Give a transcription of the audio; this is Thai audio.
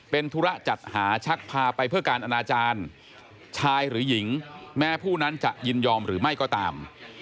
เป็นธุระจัดหาชักพาไปเพื่อการอนาจารย์ชายหรือหญิงแม้ผู้นั้นจะยินยอมหรือไม่ก็ตาม